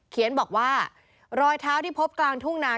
เขียนบอกว่ารอยเท้าที่พบกลางทุ่งนา